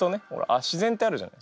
自然ってあるじゃない？